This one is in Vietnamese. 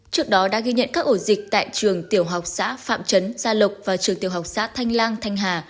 trước đó đã ghi nhận các ổ dịch tại trường tiểu học xã phạm trấn gia lộc và trường tiểu học xã thanh lang thanh hà